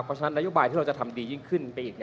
เพราะฉะนั้นนโยบายที่เราจะทำดียิ่งขึ้นไปอีก